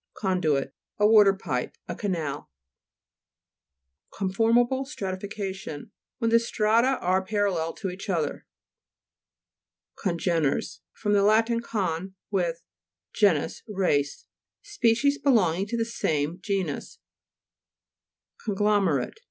Cox DUIT A water pipe ; a canal. CONE OF ELEVATION (p. 107). CONFORMABLE STRATIFICATION When the strata are parallel to each other (p. 185). CO'NGENERS fr. lat. con, with, ge nus, race. Species belonging to the same genus. CONGLOMERATE fr.